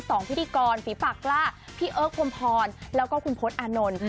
สองพิธีกรฟิฝักล่าพี่เอิ้กพลมพรแล้วก็คุณพลอานนท์